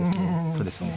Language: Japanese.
そうですね。